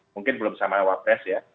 mungkin belum sama awal pres ya